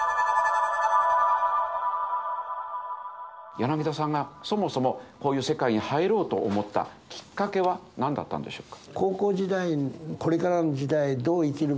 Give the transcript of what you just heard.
柳田さんがそもそもこういう世界に入ろうと思ったきっかけは何だったんでしょうか？